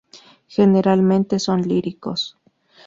Generalmente son líricos.